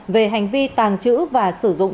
về hành vi tàng trữ và sử dụng